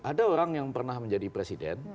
ada orang yang pernah menjadi presiden